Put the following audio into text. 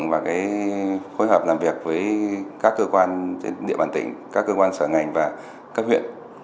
chúng tôi khối hợp làm việc với các cơ quan trên địa bàn tỉnh các cơ quan sở ngành và các huyện